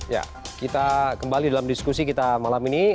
ya kita kembali dalam diskusi kita malam ini